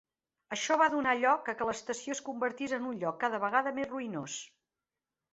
Això va donar lloc a què l'estació es convertís en un lloc cada vegada més ruïnós.